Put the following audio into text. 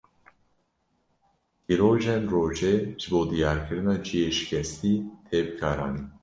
Tîrojên rojê ji bo diyarkirina ciyê şikestî tê bikaranîn.